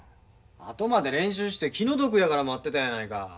あとまで練習して気の毒やから待ってたんやないか。